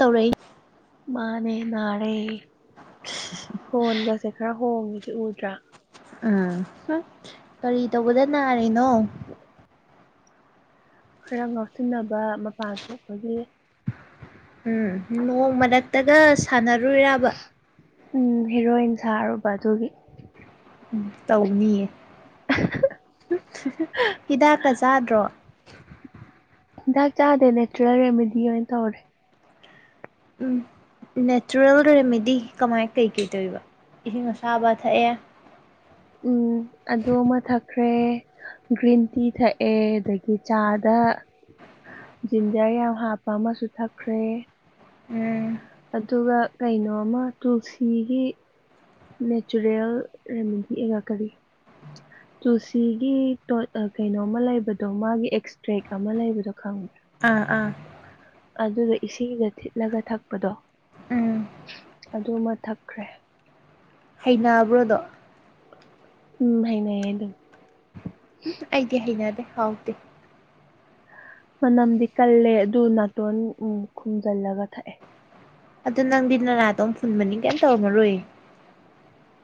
ꯇꯧꯔꯛꯏ ꯃꯥꯅꯦ ꯅꯥꯔꯦ ꯈꯣꯟꯒꯁꯦ ꯈꯔ ꯍꯣꯡꯏꯁꯦ ꯎꯗ꯭ꯔꯥ꯫ ꯎꯝ ꯀꯔꯤ ꯇꯧꯕꯗ ꯅꯥꯔꯤꯅꯣ꯫ [inaudible] ꯈꯔ ꯉꯥꯎꯁꯤꯟꯅꯕ ꯃꯄꯥꯟ ꯊꯣꯛꯄꯒꯤ꯫ ꯎꯝ ꯅꯣꯡ ꯃꯔꯛꯇꯒ ꯁꯥꯟꯅꯔꯨꯏꯔꯥꯕ꯫ ꯎ ꯍꯦꯔꯣꯏꯟ ꯁꯥꯔꯨꯕ ꯑꯗꯨꯒꯤ꯫ ꯎ ꯇꯧꯅꯤꯌꯦ ꯍꯤꯗꯥꯛꯀ ꯆꯥꯗ꯭ꯔꯣ꯫ ꯍꯤꯟꯗꯥꯛ ꯆꯥꯗꯦ ꯅꯦꯆ꯭ꯔꯦꯜ ꯔꯦꯃꯤꯗꯤ ꯑꯣꯏꯅ ꯇꯧꯔꯦ꯫ ꯎ ꯅꯦꯆ꯭ꯔꯦꯜ ꯔꯦꯃꯤꯗꯤ ꯀꯃꯥꯏ ꯀꯩꯀꯩ ꯇꯧꯏꯕ ꯏꯁꯤꯡ ꯑꯁꯥꯕ ꯊꯛꯑꯦ꯫ ꯎꯝ ꯑꯗꯨ ꯃꯊꯛ ꯈ꯭ꯔꯦ ꯒ꯭ꯔꯤꯟ ꯇꯤ ꯊꯛꯑꯦ ꯗꯒꯤ ꯆꯥꯗ ꯖꯤꯟꯖꯔ ꯌꯥꯝ ꯍꯥꯞꯄ ꯑꯃꯁꯨ ꯊꯛꯈ꯭ꯔꯦ꯫ ꯎꯝ꯫ ꯑꯗꯨꯒ ꯀꯩꯅꯣꯃ ꯇꯨꯜꯁꯤꯒꯤ ꯅꯦꯆꯨꯔꯦꯜ ꯔꯦꯃꯤꯗꯤ ꯑꯦꯒ ꯀꯔꯤ [inaudible] ꯇꯨꯜꯁꯤꯒꯤ ꯇꫭꯠ ꯑ ꯀꯩꯅꯣ ꯑꯃ ꯂꯩꯕꯗꯣ ꯃꯥꯒꯤ ꯑꯦꯛꯁꯇ꯭ꯔꯦꯛ ꯑꯃ ꯂꯩꯕꯗꯣ ꯈꯪꯕ꯭ꯔꯥ꯫ ꯑꯥ ꯑꯥ꯫ ꯑꯗꯨꯒ ꯏꯁꯤꯡꯗ ꯊꯤꯠꯂꯒ ꯊꯛꯄꯗꯣ꯫ ꯎꯝ ꯑꯗꯨꯃ ꯊꯛꯈ꯭ꯔꯦ꯫ ꯥꯅꯥꯕ꯭ꯔꫭꯗꯣ꯫ ꯎꯝ ꯍꯥꯏꯅꯩꯌꯦ ꯑꯗꯨꯝ꯫ ꯑꯩꯗꯤ ꯍꯩꯅꯗꯦ ꯍꯥꯎꯇꯦ꯫ ꯃꯅꯝꯗꯤ ꯀꯜꯂꯦ ꯑꯗꯨ ꯅꯥꯇꯣꯟ ꯎ ꯈꯨꯝꯖꯤꯜꯂꯒ ꯊꯛꯑꯦ ꯑꯗꯨꯗ ꯅꯪꯗꯤ ꯅꯅꯥꯥꯗꯣꯛ ꯐꯨꯟ ꯃꯅꯤꯡ ꯀꯩꯝ ꯇꯧꯔꯝꯃꯔꯣꯏ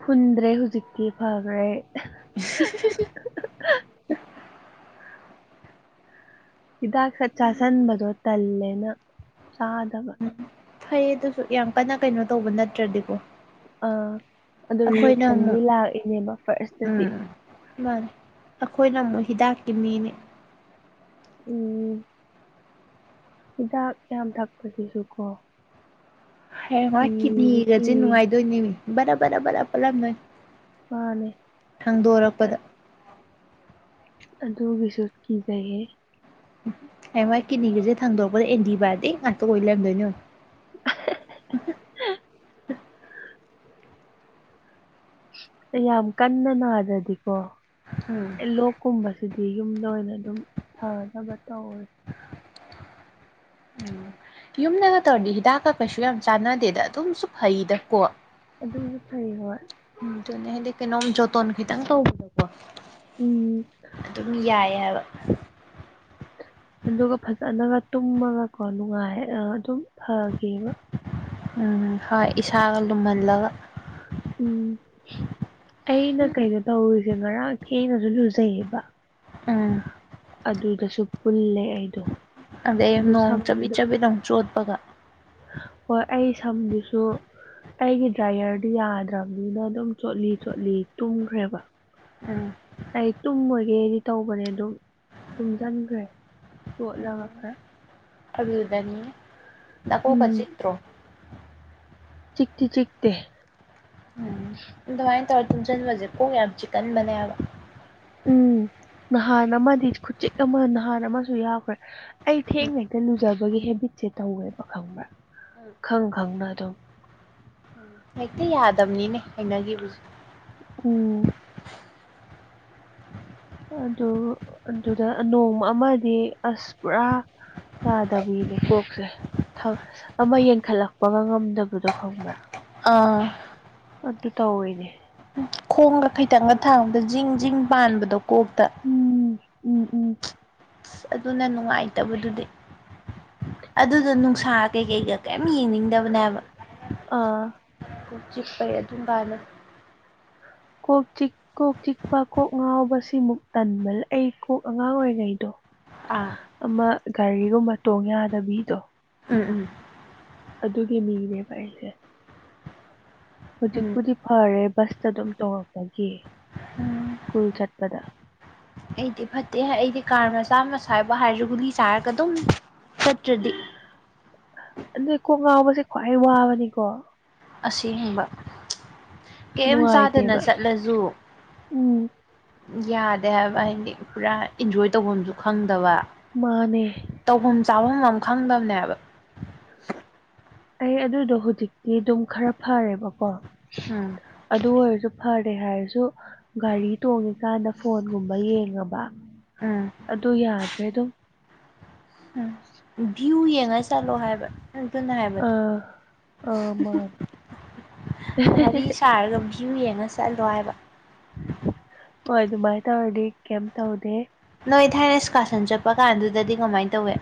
ꯐꯨꯟꯗ꯭ꯔꯦ ꯍꯧꯖꯤꯛꯇꯤ ꯐꯈ꯭ꯔꯦ ꯍꯤꯗꯥꯛꯁꯠ ꯆꯥꯥꯁꯟꯕꯗꯣ ꯇꯜꯂꯦꯅ ꯆꯥꯗꯕ ꯐꯩꯌꯦ ꯑꯗꯨꯁꯨ ꯌꯥꯝ ꯀꯟꯅ ꯀꯩꯅꯣ ꯇꯧꯕ ꯅꯠꯇ꯭ꯔꯗꯤꯀꯣ ꯑ ꯑꯗꯨ ꯑꯩꯈꯣꯏꯅ ꯔꯤꯌꯦꯛꯁꯟꯗꯤ ꯑꯃꯨꯛ ꯂꯥꯛꯏꯅꯦꯕ ꯐꯥꯔꯁꯇꯗꯤ ꯃꯥꯅꯤꯦ ꯑꯩꯈꯣꯏꯅ ꯑꯃꯨꯛ ꯍꯤꯗꯥꯛꯀꯤ ꯃꯤꯅꯤ ꯎꯝ ꯍꯤꯗꯥꯛ ꯌꯥꯝ ꯊꯛꯄꯁꯤꯁꯨ ꯀꯣ ꯍ ꯃꯥ ꯀꯤꯗꯤ ꯀꯤꯠꯅꯤꯒꯁꯦ ꯀꯤꯌꯦ ꯅꯨꯡꯉꯥꯏꯗꯣꯏꯅꯦꯃꯤ ꯕꯔꯥ ꯕꯔ ꯕꯂꯞ ꯄꯂꯞ ꯅꯣꯏ ꯃꯥꯅꯦ ꯁꯥꯡꯗꯣꯔꯛꯄꯗ ꯑꯗꯨ ꯄꯁꯠ ꯀ ꯆꯥꯏꯒꯦ ꯑꯦ ꯃꯥꯏ ꯀꯤꯅꯤꯒꯤꯁꯦ ꯊꯥꯡꯗꯣꯔꯛꯄꯗ ꯑꯦꯟꯗꯤ ꯕꯥꯗꯤ ꯉꯥꯛꯇ ꯑꯣꯏ ꯂꯩꯔꯗꯣꯏꯅꯦ [inaudible] ꯌꯥꯝ ꯀꯟꯅ ꯅꯥꯗꯗꯤꯀꯣ ꯎꯝ ꯂꯣꯛꯀꯨꯝꯕꯁꯤꯗꯤ ꯌꯨꯝꯗ ꯑꯣꯏꯅ ꯑꯗꯨꯝ ꯐꯅꯕ ꯇꯧꯋꯦ ꯎꯝ ꯌꯨꯝꯗꯒ ꯇꯧꯔꯗꯤ ꯍꯤꯗꯥꯛꯀ ꯀꯩꯁꯨ ꯌꯥꯝ ꯆꯥꯟꯅꯗꯦꯗ ꯑꯗꯨꯝꯁꯨ ꯐꯩꯗꯀꯣ ꯑꯗꯨꯝꯁꯨ ꯐꯩ ꯍꯣꯢ ꯎꯅꯗꯀ ꯅꯣꯡꯝ ꯌꯣꯟꯈꯤꯇꯪ ꯇꯥꯎꯕ ꯎꯝ ꯑꯗꯨꯝ ꯌꯥꯏ ꯍꯥꯏꯕ ꯑꯗꯨꯒ ꯐꯖꯅꯒ ꯇꯨꯝꯃꯒꯀꯣ ꯅꯨꯡꯉꯥꯏ ꯑꯗꯨꯝ ꯐꯒꯤꯕ ꯎꯝ ꯍꯣꯏ ꯏꯁꯥꯒ ꯂꯨꯝꯍꯜꯂꯒ ꯎꯝ ꯑꯩꯅ ꯀꯩꯩꯅꯣ ꯇꯧꯔꯤꯁꯦ ꯉꯔꯥꯡ ꯊꯦꯡꯅꯁꯨ ꯂꯨꯖꯩꯌꯦꯕ ꯎꯝ ꯑꯗꯨꯗꯁꯨ ꯄꯨꯜꯂꯦ ꯑꯩꯗꯣ ꯑꯗꯩ ꯑꯗꯨ ꯅꯣꯡ ꯆꯕꯤꯠ ꯁꯝꯗꯣ ꯆꯕꯤꯠꯗ ꯑꯃꯨꯛ ꯆꯣꯠꯄꯒ ꯍꯣꯏ ꯑꯩ ꯁꯝꯗꯨꯁꯨ ꯑꯩꯒꯤ ꯗ꯭ꯔꯥꯏꯌꯔꯗꯤ ꯌꯥꯗ꯭ꯔꯕꯅꯤꯅ ꯑꯗꯨꯝ ꯆꯣꯠꯂꯤ ꯆꯣꯠꯂꯤ ꯇꯨꯝꯈ꯭ꯔꯦꯕ ꯎꯝ ꯂ ꯇꯨꯝꯃꯣꯏꯒꯦꯗꯤ ꯇꯧꯕꯅꯦ ꯑꯗꯨꯝ ꯇꯨꯝꯁꯤꯟꯈ꯭ꯔꯦ ꯆꯣꯠꯂꯒ ꯈꯔ ꯑꯗꯨꯗꯅꯤꯅꯦ ꯎꯝ ꯆꯤꯇꯤ ꯆꯤꯠꯇꯦ ꯎꯝ ꯑꯗꯨꯃꯥꯏꯅ ꯇꯧꯔ ꯇꯨꯝꯁꯤꯟꯕꯁꯦ ꯀꯣꯛ ꯌꯥꯝ ꯆꯤꯛꯀꯟꯕꯅꯦꯕ ꯎꯝ ꯅꯍꯥꯟ ꯑꯃꯗꯤ ꯈꯨ ꯎꯆꯦꯛ ꯑꯃ ꯅꯍꯥꯟ ꯑꯃꯁꯨ ꯌꯥꯎꯈ꯭ꯔꯦ ꯑꯩ ꯊꯦꯡꯅ ꯍꯦꯛꯇ ꯂꯨꯖꯕꯒꯤ ꯍꯦꯕꯤꯠꯁꯦ ꯇꯧꯋꯦꯕ ꯈꯪꯕ꯭ꯔꯥ ꯈꯪ ꯈꯪꯅ ꯑꯗꯨꯝ ꯍꯦꯛꯇ ꯌꯥꯗꯕꯅꯤꯅꯦ ꯍꯥꯏꯅꯈꯤꯕꯁꯦ ꯎꯝ ꯑꯗꯨ ꯑꯗꯨꯗ ꯅꯣꯡ ꯑꯃꯗꯤ ꯑꯁ ꯄꯨꯔꯥ ꯌꯥꯗꯕꯤꯅꯦ ꯀꯣꯛꯁꯦ ꯑꯃ ꯌꯦꯟꯈꯠꯂꯛꯄꯒ ꯉꯝꯗꯕꯗꯣ ꯈꯪꯕ꯭ꯔꯥ ꯑꯥ ꯑꯗꯨ ꯇꯧꯋꯦꯅꯦ ꯈꯣꯡꯒ ꯈꯤꯇꯪꯒ ꯊꯥꯡꯕꯗ ꯖꯤꯡ ꯖꯤꯡ ꯄꯥꯟꯕꯗꯣ ꯀꯣꯛꯇ ꯎꯝ ꯎꯝ ꯎꯝ ꯑꯁ ꯑꯗꯨꯅ ꯅꯨꯡꯉꯥꯏꯇꯕꯗꯨꯗꯤ ꯑꯗꯨꯗ ꯅꯨꯡꯁꯥ ꯀꯩꯀꯩꯒ ꯀꯩꯝ ꯌꯦꯡꯅꯤꯡꯗꯕꯅꯦꯕ ꯑꯥ ꯆꯤꯛꯄꯩ ꯑꯗꯨ ꯀꯥꯏꯅ ꯀꯣ ꯆꯤꯛ ꯀꯣꯛ ꯆꯤꯛꯄ ꯀꯣꯛ ꯉꯥꯎꯕꯁꯤꯃꯨꯛ ꯇꯟꯕ ꯂꯏ ꯀꯣꯛ ꯑꯉꯥꯡ ꯑꯣꯏꯔꯤꯉꯩꯗꯣ ꯑꯥ ꯑꯃ ꯒꯥꯔꯤꯒꯨꯝꯕ ꯇꯣꯡ ꯌꯥꯗꯕꯤꯗꯣ ꯎꯝ ꯎꯝ ꯑꯗꯨꯒꯤ ꯃꯤꯅꯦꯕ ꯑꯩꯁꯦ ꯎꯝ ꯍꯧꯖꯤꯛꯄꯨꯗꯤ ꯐꯔꯦ ꯕꯁꯇ ꯑꯗꯨꯝ ꯇꯣꯡꯔꯛꯄꯒꯤ ꯎꯝ ꯁ꯭ꯀꯨꯜ ꯆꯠꯄꯗ ꯑꯩꯗꯤ ꯐꯠꯇꯦ ꯑꯩꯗꯤ ꯀꯥꯔ ꯃꯆꯥ ꯃꯆꯥ ꯍꯥꯏꯕ ꯍꯥꯏꯔꯁꯨ ꯒꯨꯂꯤ ꯆꯥꯔꯒ ꯑꯗꯨꯝ ꯐꯠꯇ꯭ꯔꯗꯤ ꯑꯗꯨꯩ ꯀꯣꯡꯒꯥꯎꯕꯁꯦ ꯈ꯭ꯋꯥꯏ ꯋꯥꯕꯅꯤꯀꯣ ꯑꯁꯦꯡꯕ ꯀꯔꯤ ꯆꯥꯗꯅ ꯅꯨꯡꯉꯥꯏꯇꯦꯕ ꯆꯠꯂꯁꯨꯨ ꯎꯝ ꯌꯥꯗꯦ ꯍꯥꯏꯕ ꯍꯥꯏꯗꯤ ꯄꯨꯔꯥ ꯏꯟꯖꯣꯏ ꯇꯧꯐꯝꯁꯨ ꯈꯪꯗꯕ ꯃꯥꯅꯦ ꯇꯧꯐꯝ ꯆꯥꯐꯝ ꯑꯃ ꯈꯪꯗꯕꯅꯦꯕ ꯑꯩ ꯑꯗꯨꯗꯣ ꯍꯧꯖꯤꯛꯇꯤ ꯑꯗꯨꯝ ꯈꯔ ꯐꯔꯦꯕꯀꯣ ꯎꯝ ꯑꯗꯨ ꯑꯣꯏꯔꯁꯨ ꯐꯔꯦ ꯍꯥꯏꯔꯁꯨ ꯒꯥꯔꯤ ꯇꯣꯡꯉꯤꯀꯥꯟꯗ ꯐꯣꯟꯒꯨꯝꯕ ꯌꯦꯡꯉꯕ ꯎꯝ ꯑꯗꯨ ꯌꯥꯗ꯭ꯔꯦ ꯑꯗꯨꯝ ꯎꯝ ꯚ꯭ꯌꯨ ꯌꯦꯡꯉꯒ ꯆꯠꯂꯣ ꯍꯥꯏꯕ ꯑꯗꯨꯅ ꯍꯥꯏꯕꯗ ꯑ ꯃꯥ ꯋꯥꯔꯤ ꯁꯥꯔꯒ ꯚ꯭ꯌꯨ ꯌꯦꯡꯉ ꯆꯠꯂꯣ ꯍꯥꯏꯕ ꯍꯣꯏ ꯗꯨꯃꯥꯏ ꯇꯧꯔꯗꯤ ꯀꯦꯝ ꯇꯧꯗꯦ ꯅꯣꯏ ꯊꯥꯏꯅ ꯁ꯭ꯀꯥꯁꯟ ꯆꯠꯄ ꯀꯥꯟꯗꯨꯗꯗꯤ ꯀꯃꯥꯏꯅ ꯇꯧꯏ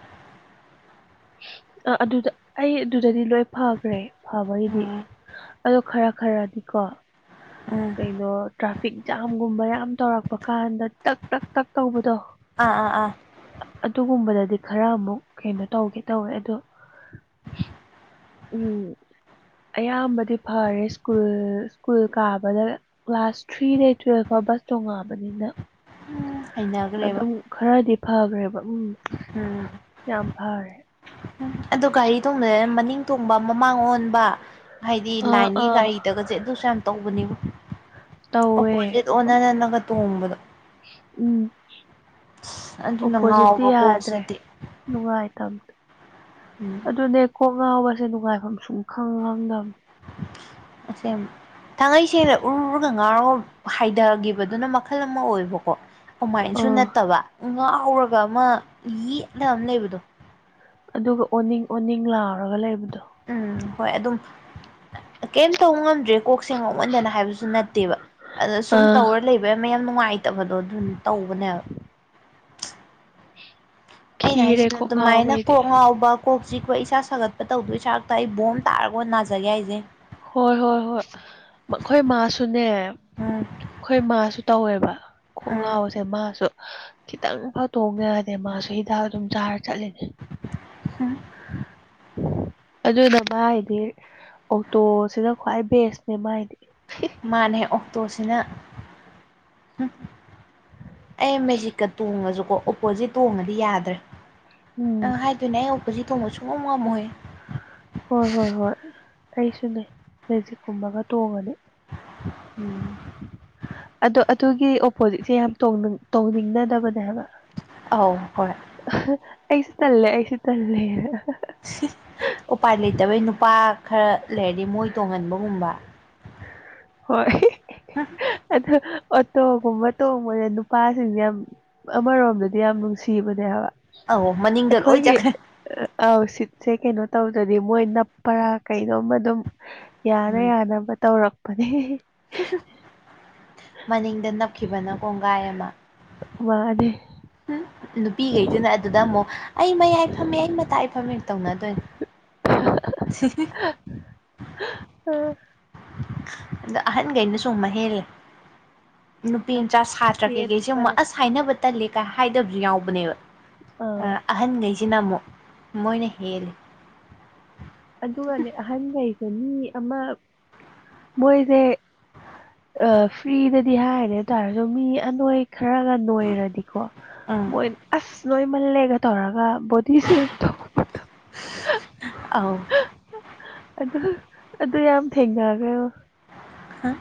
ꯑ ꯑꯗꯨꯗ ꯑꯩ ꯑꯗꯨꯗꯗꯤ ꯂꯣꯏ ꯐꯈ꯭ꯔꯦ ꯐꯕꯒꯤꯗꯤ ꯎꯝ ꯑꯗꯣ ꯈꯔ ꯈꯔꯗꯤꯀꯣ ꯎꯝ ꯀꯩꯅꯣ ꯇ꯭ꯔꯥꯐꯤꯛ ꯖꯥꯝꯒꯨꯝꯕ ꯌꯥꯝ ꯇꯧꯔꯛꯄ ꯀꯥꯟꯗ ꯇꯛ ꯇꯛ ꯇꯛ ꯇꯧꯕꯗꯣ ꯑꯥ ꯑꯥ ꯑꯥ ꯑꯗꯨꯒꯨꯝꯕꯗꯗꯤ ꯈꯔ ꯑꯃꯨꯛ ꯀꯩꯅꯣ ꯇꯧꯒꯦ ꯇꯧꯋꯦ ꯑꯗꯣ ꯎꯝ ꯑꯌꯥꯝꯕꯗꯤ ꯐꯔꯦ ꯁ꯭ꯀꯨꯜ ꯁ꯭ꯀꯨꯜ ꯀꯥꯕꯗ ꯀ꯭ꯂꯥꯁ ꯊ꯭ꯔꯤꯗꯩ ꯇꯨꯋꯦꯜꯐ ꯐꯥꯎ ꯕꯁ ꯇꯣꯡꯉꯛꯑꯕꯅꯤꯅ ꯎꯝ ꯍꯩꯅꯈ꯭ꯔꯦꯕ ꯑꯗꯨꯝ ꯈꯔꯗꯤ ꯐꯈ꯭ꯔꯦꯕ ꯎꯝ ꯎꯝ ꯌꯥꯝ ꯐꯔꯦ ꯎꯝ ꯑ ꯒꯥꯔꯤ ꯊꯣꯡꯕꯗ ꯃꯅꯤꯡ ꯊꯣꯡꯕ ꯃꯃꯥꯡ ꯑꯣꯟꯕ ꯍꯥꯏꯗꯤ ꯑꯥ ꯂꯥꯏꯟꯒꯤ ꯑꯥ ꯒꯥꯔꯤꯗꯒꯁꯦ ꯑꯗꯨꯁꯨ ꯌꯥꯝ ꯇꯧꯕꯅꯦꯕ ꯇꯧꯋꯦ ꯑꯣꯄꯣꯖꯤꯠ ꯑꯣꯅꯅꯒ ꯇꯣꯡꯕꯗꯣ ꯎꯝ ꯑꯁ ꯑꯗꯨꯅ ꯑꯣꯄꯣꯖꯤꯠꯇꯤ ꯉꯥꯎꯕ ꯌꯥꯗ꯭ꯔꯦ ꯀꯣꯛꯁꯤꯗꯤ ꯅꯨꯡꯉꯥꯏ ꯇꯝ ꯎꯝ ꯑꯗꯨꯅꯦ ꯀꯣꯛ ꯉꯥꯎꯕꯁꯦ ꯅꯨꯡꯉꯥꯏꯐꯝ ꯁꯨꯡ ꯈꯪ ꯈꯪꯗꯕ ꯑꯁꯦꯡꯕ ꯊꯥꯡꯉꯩ ꯁꯦꯡꯅ ꯎꯔꯨꯔꯒ ꯉꯥꯎꯔꯒ ꯍꯥꯏꯊꯈꯤꯕꯗꯨꯅ ꯃꯈꯜ ꯑꯃ ꯑꯣꯏꯕꯀꯣ ꯑꯗꯨꯃꯥꯏꯅꯁꯨ ꯑꯥ ꯅꯠꯇꯕ ꯉꯥꯎꯔꯒ ꯑꯃ ꯌꯦꯠꯅ ꯑꯃ ꯂꯩꯕꯗꯣ ꯑꯗꯨꯒ ꯑꯣꯅꯤꯡ ꯑꯣꯅꯤꯡ ꯂꯥꯎꯔꯒ ꯂꯩꯕꯗꯣ ꯎꯝ ꯍꯣꯏ ꯑꯗꯨꯝ ꯀꯩꯝ ꯇꯧꯕ ꯉꯝꯗ꯭ꯔꯦ ꯀꯣꯛꯁꯦꯡ ꯉꯧꯃꯟꯗꯅ ꯍꯥꯏꯕꯁꯨ ꯅꯠꯇꯦꯕ ꯑꯗ ꯁꯨꯝ ꯑꯥ ꯇꯧꯔ ꯂꯩꯕ ꯃꯌꯥꯝ ꯅꯨꯡꯉꯥꯏꯇꯕꯗꯣ ꯑꯗꯨꯝ ꯇꯧꯕꯅꯦꯕ ꯑꯩꯅ ꯈꯤꯔꯦ ꯍꯥꯏꯁꯤꯅ ꯀꯣꯛ ꯉꯥꯎꯕ ꯑꯗꯨꯃꯥꯏꯅ ꯑꯩꯗꯤ ꯀꯣꯛ ꯉꯥꯎꯕ ꯀꯣꯛꯁꯤ ꯑꯩꯈꯣꯏ ꯏꯁꯥ ꯁꯥꯒꯠꯄ ꯇꯧꯗꯣꯏ ꯏꯁꯥꯔꯛꯇ ꯑꯩ ꯕꯣꯝ ꯇꯥꯔꯒ ꯅꯥꯖꯒꯦ ꯍꯥꯏꯁꯦ ꯍꯣꯏ ꯍꯣꯏ ꯍꯣꯏ ꯑꯩꯈꯣꯏ ꯃꯥꯁꯨꯅꯦ ꯎꯝ ꯑꯩꯈꯣꯏ ꯃꯥꯁꯨ ꯇꯧꯋꯦꯕ ꯀꯣꯛ ꯎꯝ ꯉꯥꯎꯁꯦ ꯃꯥꯁꯨ ꯈꯤꯇꯪ ꯐꯥꯎꯇꯣꯡꯅꯔꯗꯤ ꯃꯥꯁꯨ ꯍꯤꯗꯥꯛ ꯑꯗꯨꯝ ꯆꯥꯔ ꯆꯠꯂꯤꯅꯦ ꯍꯨꯝ ꯑꯗꯨ ꯅꯃꯥ ꯍꯥꯏꯗꯤ ꯑꯣꯛꯇꯣꯁꯤꯅ ꯈ꯭ꯋꯥꯏ ꯕꯦꯁꯅꯦ ꯃꯥꯏꯗꯤ ꯃꯥꯅꯦ ꯑꯣꯛꯇꯣꯁꯤꯅ ꯑꯩ ꯃꯦꯖꯤꯛꯀꯥ ꯇꯣꯡꯉꯁꯨꯀꯣ ꯑꯣꯄꯣꯖꯤꯠ ꯇꯣꯡꯉꯗꯤ ꯌꯥꯗ꯭ꯔꯦ ꯎꯝ ꯑꯪ ꯍꯥꯏ ꯑꯗꯨꯅꯦ ꯑꯩ ꯑꯣꯄꯣꯖꯤꯠ ꯇꯣꯡꯕ ꯁꯨꯝꯉꯝ ꯉꯃꯣꯏ ꯍꯣꯏ ꯍꯣꯏ ꯍꯣꯏ ꯑꯩꯁꯨꯅꯦ ꯃꯦꯖꯤꯛꯀꯨꯝꯕꯒ ꯇꯣꯡꯉꯗꯤ ꯎꯝ ꯑꯗꯣ ꯑꯥ ꯑꯗꯨꯒꯤ ꯑꯣꯄꯣꯖꯤꯠꯁꯦ ꯌꯥꯝ ꯇꯣꯡꯅꯤꯡ ꯇꯣꯡꯅꯤꯡꯅꯗꯕꯅꯦꯕ ꯑꯥꯎ ꯍꯣꯏ ꯑꯩꯁꯨ ꯇꯂꯦ ꯑꯩꯁꯨ ꯇꯂꯦꯅ ꯎꯄꯥꯏ ꯂꯩꯇꯕꯩ ꯅꯨꯄꯥ ꯈꯔ ꯂꯩꯔꯗꯤ ꯃꯣꯏ ꯇꯣꯡꯍꯟꯕꯒꯨꯝꯕ ꯍꯣꯏ ꯎꯝ ꯑ ꯑꯣꯇꯣꯒꯨꯝꯕ ꯇꯣꯡꯕꯗ ꯅꯨꯄꯥꯁꯤꯡꯁꯦ ꯌꯥꯝ ꯑꯃꯔꯣꯝꯗꯗꯤ ꯌꯥꯝ ꯅꯨꯡꯁꯤꯕꯅꯦ ꯍꯥꯏꯕ ꯑ ꯃꯅꯤꯡꯗ ꯂꯣꯏ ꯑꯩꯈꯣꯏꯒꯤ ꯆꯠꯈ꯭ꯔꯦ ꯑꯥꯎ ꯁꯤꯠꯁꯦ ꯀꯩꯅꯣ ꯇꯧꯗ꯭ꯔꯗꯤ ꯃꯣꯏ ꯅꯞꯄꯔꯥ ꯀꯩꯅꯣꯝ ꯑꯗꯨꯝ ꯌꯥꯅ ꯎꯝ ꯌꯥꯅꯕ ꯇꯧꯔꯛꯄꯅꯦ ꯃꯅꯤꯡꯗ ꯅꯞꯈꯤꯕꯅ ꯀꯣꯡꯒꯥꯏ ꯑꯃ ꯋꯥꯗꯦ ꯎ ꯅꯨꯄꯤꯈꯩꯗꯨꯅꯦ ꯑꯗꯨꯗ ꯑꯃꯨꯛ ꯑꯩ ꯃꯌꯥꯏ ꯐꯝꯃꯦ ꯑꯩ ꯃꯇꯥꯏ ꯏ ꯐꯝꯃꯦ ꯇꯧꯅꯗꯣꯏꯅꯦ ꯁꯤꯕꯤ [unintelligible] ꯑꯣ [unintelligible] ꯑꯗ ꯑꯍꯟꯈꯩꯅꯁꯨ ꯑꯃꯨꯛ ꯍꯦꯜꯂꯤ ꯅꯨꯄꯤ ꯃꯆꯥ ꯁꯥꯇ꯭ꯔ ꯀꯩꯀꯩꯁꯦ ꯑꯃꯨꯛ ꯄꯦꯠꯄꯅꯦ ꯑꯁ ꯍꯥꯏꯅꯕ ꯇꯜꯂꯦ ꯀꯥꯏ ꯍꯥꯏꯗꯕꯁꯨ ꯌꯥꯎꯕꯅꯦꯕ ꯑꯥ ꯑꯍꯟꯈꯩꯁꯤꯅ ꯑꯃꯨꯛ ꯃꯣꯏꯅ ꯍꯦꯜꯂꯤ ꯑꯗꯨꯒꯅꯦ ꯑꯍꯟꯈꯩꯁꯦ ꯃꯤ ꯑꯃ ꯃꯣꯏꯁꯦ ꯑ ꯐ꯭ꯔꯤꯗꯗꯤ ꯍꯥꯏꯔꯦꯇꯥꯔꯁꯨ ꯃꯤ ꯑꯅꯣꯏ ꯈꯔꯒ ꯅꯣꯏꯔꯗꯤꯀꯣ ꯎꯝ ꯃꯣꯏ ꯑꯁ ꯅꯣꯏꯃꯜꯂꯦꯒ ꯇꯧꯔꯒ ꯕꯣꯗꯤꯁꯦ ꯑꯥꯎ ꯑꯗꯨ ꯑꯗꯨ ꯌꯥꯝ ꯊꯦꯡꯅꯈꯣ ꯍꯥ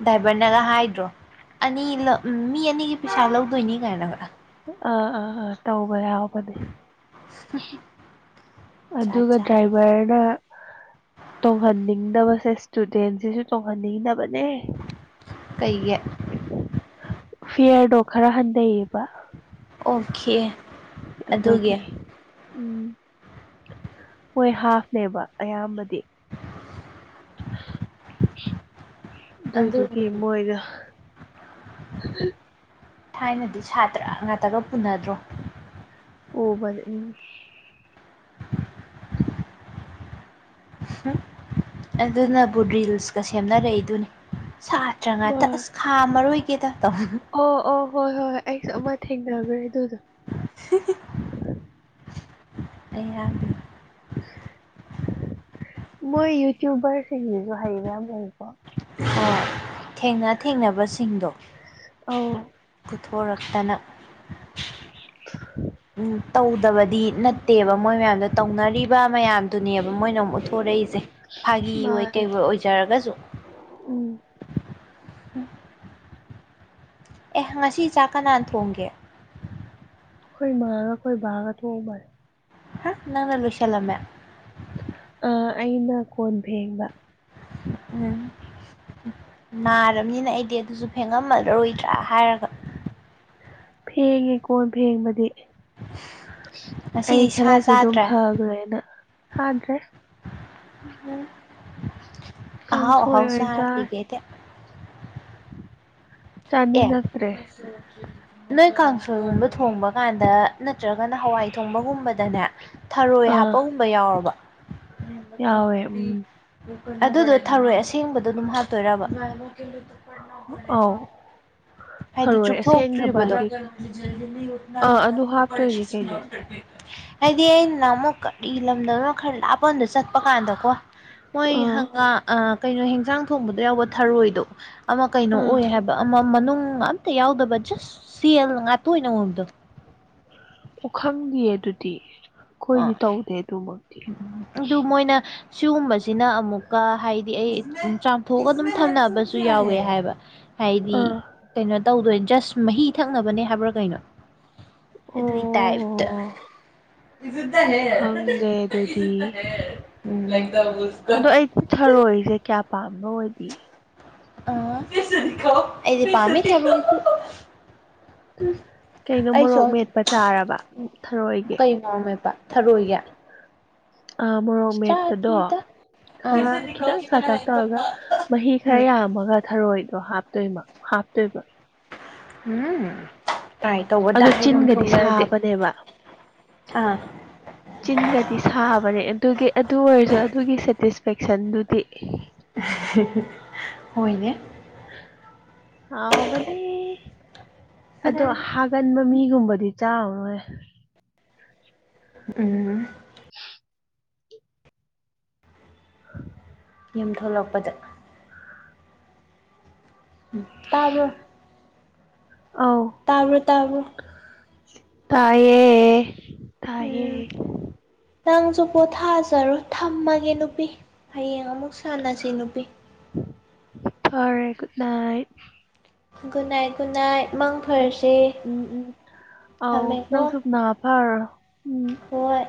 ꯗ꯭ꯔꯥꯏꯚꯔꯅꯒ ꯍꯥꯏꯗ꯭ꯔꯣ ꯑꯅꯤ ꯃꯤ ꯑꯅꯤꯒꯤ ꯄꯩꯁꯥ ꯂꯧꯗꯣꯏꯅꯤ ꯀꯥꯏꯅ ꯈ ꯑꯥ ꯑꯥ ꯑꯥ ꯇꯧꯕ ꯌꯥꯎꯕꯅꯦ [unintelligible] ꯆꯥꯠ ꯑꯗꯨꯒ ꯆꯥꯠ ꯗ꯭ꯔꯥꯏꯚꯔꯅ ꯇꯣꯡꯍꯟꯅꯤꯡꯗꯕꯁꯦ ꯏꯁꯇꯨꯗꯦꯟꯁꯤꯁꯨ ꯇꯣꯡꯍꯟꯅꯤꯡꯗꯕꯅꯦ ꯀꯩꯦ ꯐꯤꯌꯔꯗꯣ ꯈꯔ ꯍꯟꯊꯩꯌꯦꯕ ꯑꯣꯀꯦ ꯑꯗꯨꯒꯤ ꯑꯗꯣꯀꯦ ꯍꯣꯏ ꯍꯥꯐꯅꯦꯕ ꯑꯌꯥꯝꯕꯗꯤ ꯑꯗꯨ ꯑꯗꯨꯗꯨꯗꯤ ꯃꯣꯏꯗ ꯎ ꯊꯥꯏꯅꯗꯤ ꯁꯥꯇ꯭ꯔ ꯉꯥꯛꯇꯒ ꯄꯨꯅꯗ꯭ꯔꯣ ꯑꯣꯕ ꯎꯝ ꯑꯗꯨꯅꯕꯨ ꯔꯤꯜꯁꯀ ꯁꯦꯝꯅꯔꯛꯏꯗꯨꯅꯤ ꯁꯥꯠ ꯅꯠꯇ꯭ꯔ ꯉꯇ ꯍꯣꯏ ꯑꯁ ꯈꯥ ꯃꯔꯣꯏꯒꯦꯗ ꯇꯧ ꯑꯣ ꯑꯣ ꯍꯣꯏ ꯍꯣꯏ ꯍꯣꯏ ꯑꯩꯁꯨ ꯑꯃ ꯊꯦꯡꯅꯈ꯭ꯔꯦ ꯑꯗꯨꯗꯣ ꯑꯩ ꯌꯥ ꯃꯣꯏ ꯌꯨꯇꯨꯕꯔꯁꯤꯡꯁꯤꯁꯨ ꯍꯩꯕꯌꯥꯝ ꯂꯩꯀꯣ ꯑꯣ ꯊꯦꯡꯅ ꯊꯦꯡꯅꯕꯁꯤꯡꯗꯣ ꯑꯣ ꯄꯨꯊꯣꯔꯛꯇꯅ [unintelligible] ꯇꯧꯗꯕꯗꯤ ꯅꯠꯇꯦꯕ ꯃꯣꯏ ꯃꯌꯥꯝꯗꯣ ꯇꯧꯅꯔꯤꯕ ꯃꯌꯥꯝꯗꯨꯅꯦꯕ ꯃꯣꯏꯅ ꯑꯃꯨꯛ ꯎꯠꯊꯣꯔꯛꯏꯁꯦ ꯁꯦ ꯐꯥꯒꯤ ꯍ ꯀꯩ ꯃꯥꯅꯦ ꯑꯣꯏꯖꯔꯒꯁꯨ ꯎꯝ ꯑꯦ ꯉꯁꯤ ꯆꯥꯛ ꯀꯅꯥ ꯊꯣꯡꯒꯦ ꯑꯩꯈꯣꯏ ꯃꯥꯥꯡꯉꯒ ꯑꯩꯈꯣꯏ ꯕꯥꯔꯒ ꯊꯣꯛꯣꯡꯑ ꯃꯥꯜꯂꯦ ꯍꯥ ꯅꯪꯅ ꯂꯣꯏꯁꯤꯂꯝꯃꯦ ꯑ ꯑꯩꯅ ꯀꯣꯟ ꯐꯦꯡꯕ ꯎꯝ ꯎ ꯅꯥꯔꯕꯅꯤꯅ ꯑꯩꯗꯤ ꯑꯗꯨꯁꯨ ꯐꯦꯡꯉꯝꯃꯂꯔꯣꯏꯗ꯭ꯔꯥ ꯍꯥꯏꯔꯒ ꯐꯦꯡꯉꯦ ꯀꯣꯟ ꯐꯦꯡꯕꯗꯤ ꯑꯩ ꯉꯁꯤꯗꯤ ꯁꯥ ꯈꯔꯁꯨ ꯑꯗꯨꯝ ꯆꯥꯗ꯭ꯔꯦ ꯐꯈ꯭ꯔꯦꯅ ꯍꯗ꯭ꯔꯦ ꯑꯥꯎ ꯀꯥꯡꯁꯣꯏ ꯎꯍꯥꯎ ꯑꯣꯏꯅ ꯆꯔ ꯆꯥꯔꯦ ꯂꯤꯒꯦ ꯆꯥꯅꯤꯡꯉꯛꯇ꯭ꯔꯦ ꯑꯣꯦ [inaudible] ꯅꯣꯏ ꯀꯥꯡꯁꯣꯏꯒꯨꯝꯕ ꯊꯣꯡꯕ ꯀꯥꯟꯗ ꯅꯠꯇ꯭ꯔꯒꯅ ꯍꯋꯥꯏ ꯊꯣꯡꯕꯒꯨꯝꯕꯗꯅꯦ ꯊꯔꯣꯏ ꯑꯥ ꯍꯥꯞꯄꯒꯨꯝꯕ ꯌꯥꯎꯔꯕ ꯌꯥꯎꯋꯦ ꯎꯝ ꯑꯗꯨꯗꯣ ꯊꯔꯣꯏ ꯑꯁꯦꯡꯕꯗꯣ ꯑꯗꯨꯝ ꯍꯥꯞꯇꯣꯏꯔꯕ ꯑꯥꯎ ꯍꯥꯏꯗꯤ ꯆꯨꯞꯊꯣꯛꯇ꯭ꯔꯤꯕꯗꯣ ꯑꯥ ꯑꯗꯨ ꯍꯥꯞꯇꯣꯏꯅꯦ ꯀꯩꯅꯣ ꯍꯥꯏꯗꯤ ꯑꯩ ꯅꯍꯥꯜꯃꯨꯛ ꯂꯝꯗꯣ ꯈꯔ ꯂꯥꯛꯅ ꯐꯀꯣꯟꯗ ꯆꯠꯄ ꯀꯥꯟꯗꯀꯣ ꯃꯣꯏ ꯑꯥ ꯍꯪꯒꯥ ꯀꯩꯅꯣ ꯍꯦꯟꯖꯥꯡ ꯊꯣꯡꯕꯗ ꯌꯥꯎꯕ ꯊꯔꯣꯏꯗꯣ ꯑꯃ ꯀꯩꯅꯣ ꯑꯥ ꯑꯣꯏ ꯍꯥꯏꯕ ꯑꯃ ꯃꯅꯨꯡ ꯑꯝꯇ ꯌꯥꯎꯗꯕ ꯖꯁ ꯁꯦꯜ ꯉꯥꯇꯣꯏ ꯑꯣꯏꯅꯉꯕꯗꯣ ꯈꯪꯗꯦꯌꯦ ꯑꯗꯨꯗꯤ ꯑ ꯑꯩꯈꯣꯏꯗꯤ ꯇꯧꯗꯦ ꯑꯗꯨꯃꯛꯇꯤ ꯑꯗꯨ ꯃꯣꯏꯅ ꯁꯤꯒꯨꯝꯕꯁꯤꯅ ꯑꯃꯨꯛꯀ ꯍꯥꯏꯗꯤ ꯑꯩ ꯊꯣꯛꯣꯛꯑꯒ ꯑꯗꯨꯝ ꯊꯝꯅꯕꯁꯨ ꯌꯥꯎꯋꯦ ꯍꯥꯏꯕ ꯍꯥꯏꯗꯤ ꯑꯥ ꯀꯩꯅꯣ ꯇꯧꯗꯣꯏ ꯖꯁ ꯃꯍꯤ ꯊꯛꯅꯕꯅꯦ ꯍꯥꯏꯕ꯭ꯔꯥ ꯀꯩꯅꯣ ꯑꯗꯨꯏ ꯇꯥꯏꯞꯇ ꯑꯣ ꯈꯪꯗꯦ ꯑꯗꯨꯗꯤ ꯑ ꯑꯩ ꯊꯔꯣꯏꯁꯦ ꯀꯌꯥ ꯄꯥꯝꯕ ꯑꯣꯏꯗꯦ ꯑꯩꯗꯤ ꯄꯥꯝꯃꯤ ꯊꯥꯔꯣꯢꯗꯤ ꯀꯩꯅꯣ ꯃꯣꯔꯣꯛ ꯃꯦꯠꯄ ꯆꯥꯔꯕ ꯊꯔꯣꯏꯒꯤ ꯄꯥꯝꯃꯦꯕ ꯊꯔꯣꯏ ꯁꯦ ꯑꯥ ꯃꯣꯔꯣꯛ ꯃꯦꯠꯄꯗꯣ ꯆꯥꯗ꯭ꯔꯤꯗ ꯑꯥ ꯈꯔ ꯈꯤꯇꯪ ꯁꯥꯥꯇꯛ ꯇꯧꯔꯒ ꯃꯍꯤ ꯎꯝ ꯈꯔ ꯌꯥꯝꯃꯒ ꯊꯔꯣꯏꯗꯣ ꯍꯥꯞꯇꯣꯏꯃ ꯍꯥꯞꯇꯣꯏꯕ ꯎꯝ ꯇꯥꯏ ꯇꯧꯕ ꯑꯗꯣ ꯗꯥꯏꯒꯨꯝ ꯆꯤꯟꯒꯗꯤ ꯊꯣꯛꯂꯛꯑꯗꯤ ꯁꯥꯕꯅꯦꯕ ꯑꯥ ꯆꯤꯟꯒꯗꯤ ꯁꯥꯕꯅꯦ ꯑꯗꯨꯒꯤ ꯑꯗꯨ ꯑꯣꯏꯔꯁꯨ ꯑꯗꯨꯒꯤ ꯁꯦꯇꯤꯁꯐꯦꯛꯁꯟꯗꯨꯗꯤ ꯍꯣꯏꯅꯦ ꯅꯦ ꯑꯗꯣ ꯍꯥꯏ ꯀꯟꯕ ꯃꯤꯒꯨꯝꯕꯗꯤ ꯆꯥꯔꯔꯣꯏ ꯎꯝ ꯈ [unintelligible] ꯌꯨꯝ ꯊꯣꯛꯂꯛꯄꯗ ꯇꯥꯕ꯭ꯔꯣ ꯑꯥꯎ ꯇꯥꯕ꯭ꯔꯣ ꯇꯥꯕ꯭ꯔꯣ꯫ ꯇꯥꯌꯦ꯫ ꯎꯝ ꯅꯪꯁꯨ ꯄꯣꯊꯥꯖꯔꯣ ꯊꯝꯃꯒꯦ ꯅꯨꯄꯤ ꯍꯌꯦꯡ ꯑꯃꯨꯛ ꯁꯥꯟꯅꯁꯤ ꯅꯨꯄꯤ꯫ ꯐꯔꯦ ꯒꯨꯗ ꯅꯥꯏꯠ꯫ ꯒꯨꯅꯥꯏ ꯒꯨꯅꯥꯏ ꯃꯪ ꯐꯔꯁ ꯎꯝ ꯊꯝꯃꯦꯀꯣ꯫ ꯐꯔ ꯎꯝ ꯍꯣꯏ